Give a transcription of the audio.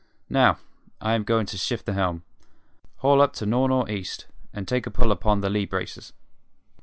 Now I am going to shift the helm. Haul up to Nor' Nor' East, and take a pull upon the lee braces."